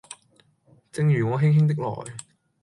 正如我輕輕的來